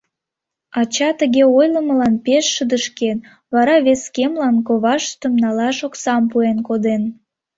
Ача тыге ойлымылан пеш шыдешкен, вара вес кемлан коваштым налаш оксам пуэн коден.